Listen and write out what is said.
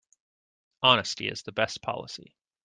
Honesty is the best policy.